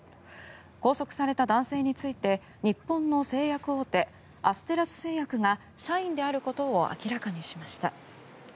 拘束された男性について日本の製薬大手アステラス製薬が社員であることを明らかにしました。